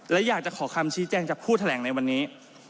และอยากจะขอคำชี้แจงจากผู้แถลงในวันนี้